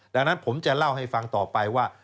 ดังนั้นผมจะเล่าให้ฟังต่อไปว่า